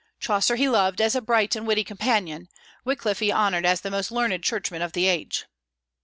Chaucer he loved as a bright and witty companion; Wyclif he honored as the most learned churchman of the age.